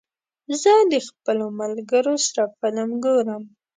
زه د خپلو ملګرو سره فلم ګورم.